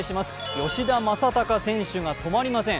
吉田正尚選手が止まりません。